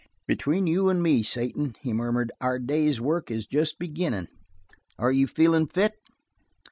"Between you and me, Satan," he murmured, "our day's work is jest beginnin'. Are you feelin' fit?"